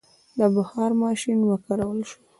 د بخار ماشین وکارول شو.